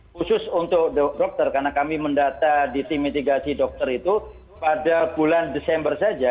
khusus untuk dokter karena kami mendata di tim mitigasi dokter itu pada bulan desember saja